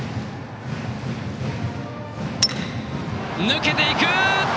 抜けていく！